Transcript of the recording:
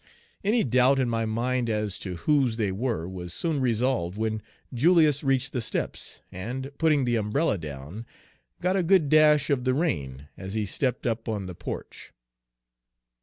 Any doubt in my mind as to whose they were was soon resolved when Julius reached the steps and, putting the umbrella down, got a good dash of the rain as he stepped up on the porch.